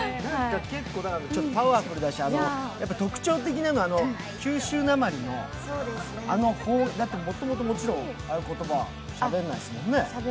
結構パワフルだし特徴的なのは九州なまりのあの方言、だってもともともちろんあの言葉しゃべらないもんね。